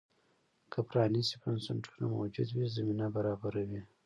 که پرانیستي بنسټونه موجود وي، زمینه برابروي.